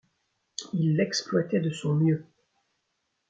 Il l’exploitait de son mieux.